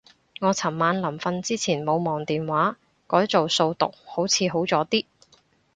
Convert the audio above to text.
我尋晚臨瞓之前冇望電話，改做數獨好似好咗啲